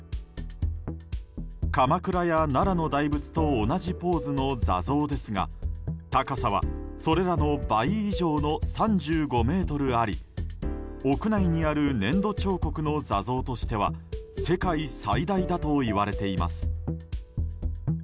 鎌倉や奈良の大仏と同じポーズの座像ですが高さはそれらの倍以上の３５ｍあり屋内にある粘土彫刻の座像としては世界最大だといわれています。